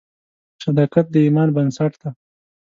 صداقت د اعتماد بنسټ دی.